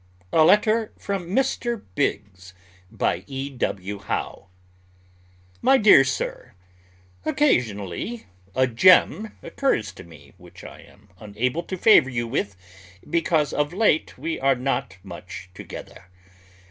A LETTER FROM MR. BIGGS BY E.W. HOWE MY DEAR SIR Occasionally a gem occurs to me which I am unable to favor you with because of late we are not much together.